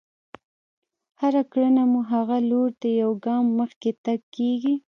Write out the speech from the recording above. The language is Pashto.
هره کړنه مو هغه لور ته يو ګام مخکې تګ کېږي.